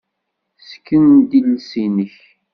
Ssken-d iles-nnek.